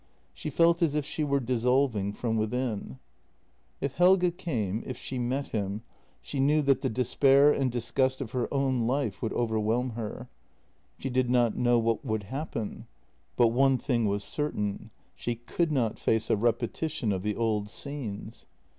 She felt as if she were dissolving from within. If Helge came, if she met him, she knew that the despair and disgust of her own life would overwhelm her. She did not know what would happen, but one thing was certain — she could not face a repetition of the old scenes.